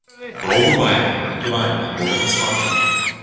Кроў бывае, натуральна, бо гэта схватка.